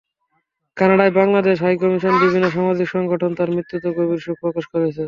কানাডায় বাংলাদেশ হাইকমিশনসহ বিভিন্ন সামাজিক সংগঠন তার মৃত্যুতে গভীর শোক প্রকাশ করেছে।